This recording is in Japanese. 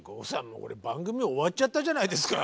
もうこれ番組終わっちゃったじゃないですか。